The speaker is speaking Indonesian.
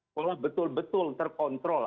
sekolah betul betul terkontrol